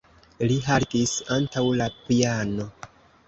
Li haltis antaŭ la piano.